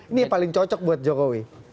ini yang paling cocok buat jokowi